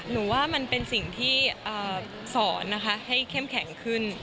หนูว่ามันเป็นสิ่งที่สอนนะคะให้เข้มแข็งขึ้น